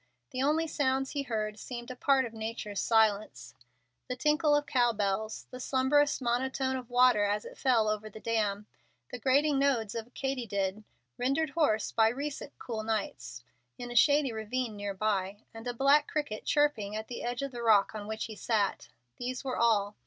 The only sounds he heard seemed a part of nature's silence, the tinkle of cowbells, the slumberous monotone of water as it fell over the dam, the grating notes of a katydid, rendered hoarse by recent cool nights, in a shady ravine near by, and a black cricket chirping at the edge of the rock on which he sat these were all.